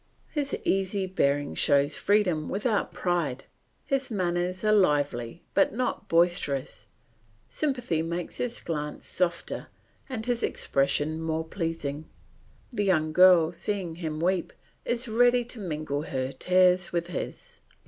His easy bearing shows freedom without pride; his manners are lively but not boisterous; sympathy makes his glance softer and his expression more pleasing; the young girl, seeing him weep, is ready to mingle her tears with his.